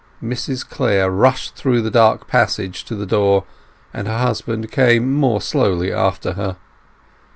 Mrs Clare rushed through the dark passage to the door, and her husband came more slowly after her.